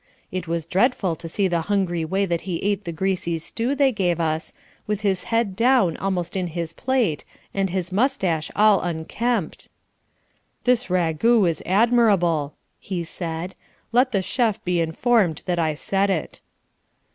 It was dreadful to see the hungry way that he ate the greasy stew they gave us, with his head down almost in his plate and his moustache all unkempt. "This ragout is admirable," he said. "Let the chef be informed that I said it."